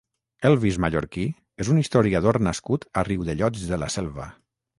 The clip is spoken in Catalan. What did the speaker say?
Elvis Mallorquí és un historiador nascut a Riudellots de la Selva